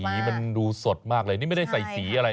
สีมันดูสดมากเลยไม่ได้ใส่สีอะไร